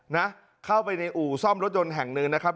นะเข้าไปในอู่ซ่อมรถยนต์แห่งหนึ่งนะครับ